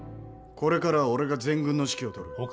これからは俺が全軍の指揮をとる。